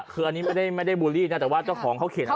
คืออันนี้ไม่ได้บูลลี่นะแต่ว่าเจ้าของเขาเขียนเอาไว้